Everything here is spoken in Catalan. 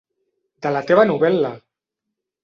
De la teva novel·la!